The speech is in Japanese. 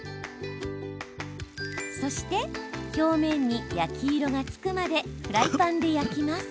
そして表面に焼き色がつくまでフライパンで焼きます。